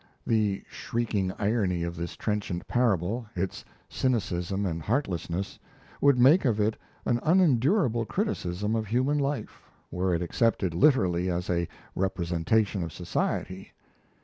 The shrieking irony of this trenchant parable, its cynicism and heartlessness, would make of it an unendurable criticism of human life were it accepted literally as a representation of society.